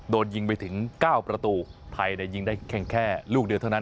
โดนยิงไปถึง๙ประตูไทยยิงได้แค่ลูกเดียวเท่านั้น